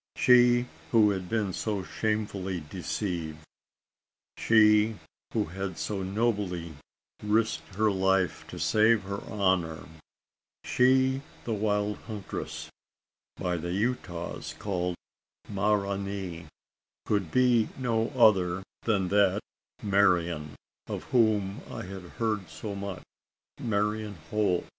She who had been so shamefully deceived she who had so nobly risked her life to save her honour she the wild huntress, by the Utahs called Ma ra nee could be no other than that Marian, of whom I had heard so much Marian Holt!